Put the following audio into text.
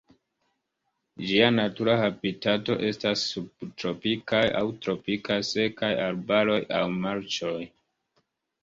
Ĝia natura habitato estas subtropikaj aŭ tropikaj sekaj arbaroj aŭ marĉoj.